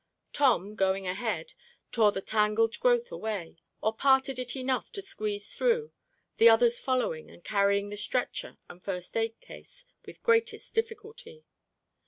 Tom, going ahead, tore the tangled growth away, or parted it enough to squeeze through, the others following and carrying the stretcher and first aid case with greatest difficulty.